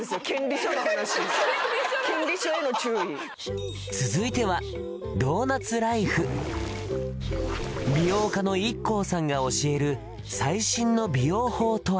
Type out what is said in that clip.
権利書への注意続いては美容家のＩＫＫＯさんが教える最新の美容法とは？